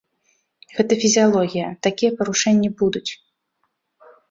Гэта фізіялогія, такія парушэнні будуць.